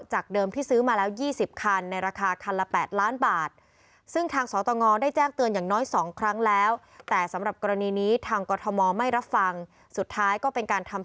เดิมที่ซื้อมาแล้ว๒๐คันในราคาคันละ๘ล้านบาท